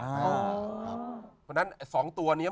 เพราะฉะนั้นสองตัวเนี่ย